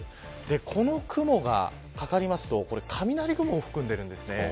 この雲がかかりますと雷雲を含んでいるんです。